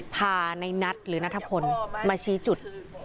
พาในนัทหรือนัทพลมาชี้จุด